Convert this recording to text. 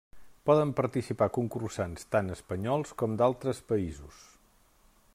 Poden participar concursants tant espanyols com d'altres països.